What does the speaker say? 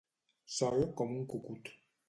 Sol com un cucut.